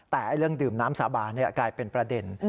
แต่เรื่องดื่มน้ำสาบานกลายเป็นประเด็น